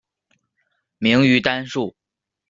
明于丹术。